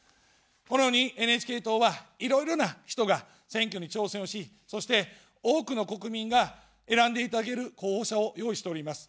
このようにＮＨＫ党は、いろいろな人が選挙に挑戦をし、そして多くの国民が選んでいただける候補者を用意しております。